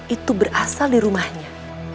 itu berasal di rumahnya